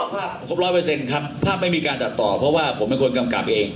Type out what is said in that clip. ภาพครบร้อยเปอร์เซ็นต์ครับภาพไม่มีการตัดต่อเพราะว่าผมเป็นคนกำกับเอง